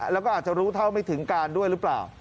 แล้วก็อาจจะรู้เท่าไม่ถึงการด้วยหรือเปล่า